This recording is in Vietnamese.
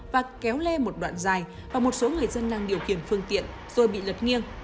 và kéo lê một đoạn dài và một số người dân đang điều khiển phương tiện rồi bị lật nghiêng